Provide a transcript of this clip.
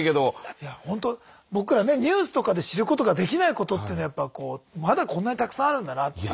いやほんと僕らねニュースとかで知ることができないことっていうのはまだこんなにたくさんあるんだなっていう。